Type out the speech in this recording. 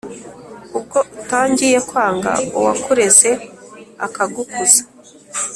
Ubwo utangiye kwanga Uwakureze akagukuza